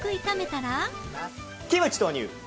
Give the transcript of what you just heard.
キムチ投入。